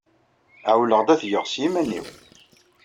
Ɛewleɣ-d ad t-geɣ s yiman-iw.